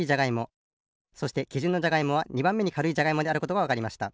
そしてきじゅんのじゃがいもは２ばんめにかるいじゃがいもであることがわかりました。